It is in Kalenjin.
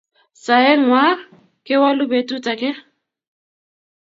Saeng'wak kewalu betut age